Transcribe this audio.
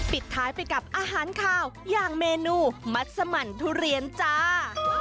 ปิดท้ายไปกับอาหารขาวอย่างเมนูมัสมันทุเรียนจ้า